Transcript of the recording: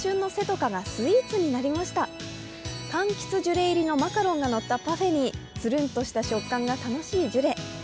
かんきつジュレ入りのマカロンがのったパフェにつるんとした食感が楽しいジュレ。